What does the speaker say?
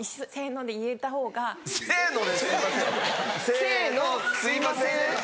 せのすいません。